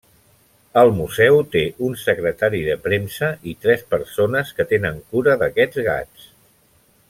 El museu té un secretari de premsa, i tres persones que tenen cura d'aquests gats.